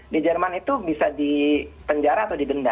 di jerman itu bisa dipenjara atau didenda